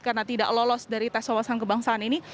karena tidak lolos dari tes wawasan kebangsaan ini